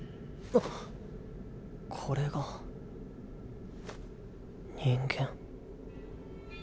あっこれが人間。